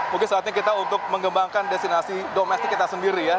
mungkin saatnya kita untuk mengembangkan destinasi domestik kita sendiri ya